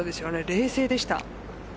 冷静でした。